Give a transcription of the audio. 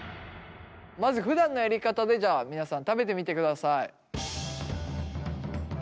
まずふだんのやり方でじゃあ皆さん食べてみてください。